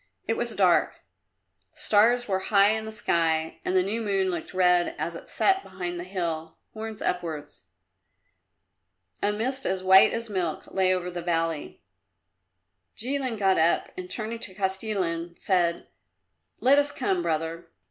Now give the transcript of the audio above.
It was dark; the stars were high in the sky and the new moon looked red as it set behind the hill, horns upwards. A mist as white as milk lay over the valley. Jilin got up and turning to Kostilin said, "Let us come, brother."